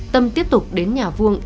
tâm tiếp tục đến nhà vuông